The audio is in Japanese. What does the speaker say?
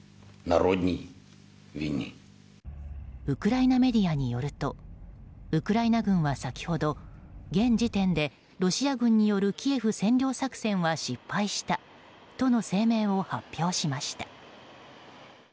ウクライナメディアによるとウクライナ軍は先ほど現時点でロシア軍によるキエフ占領作戦は失敗したとの声明を発表しました。